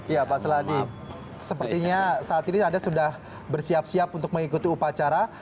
ya pak seladi sepertinya saat ini anda sudah bersiap siap untuk mengikuti upacara